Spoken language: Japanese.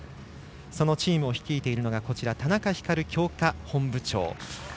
そのチームを率いているのが田中光強化本部長。